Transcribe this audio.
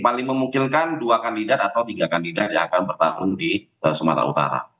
paling memungkinkan dua kandidat atau tiga kandidat yang akan bertarung di sumatera utara